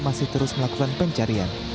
masih terus melakukan pencarian